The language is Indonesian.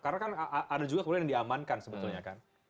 karena kan ada juga yang kemudian diamankan sebetulnya kan